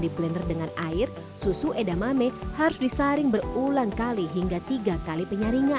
diplender dengan air susu edamame harus disaring berulang kali hingga tiga kali penyaringan